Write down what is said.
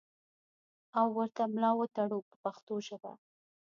او ورته ملا وتړو په پښتو ژبه.